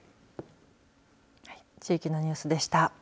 地域のニュースでした。